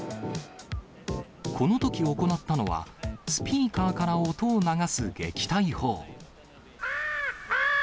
このとき行ったのは、スピーカーから音を流す撃退法。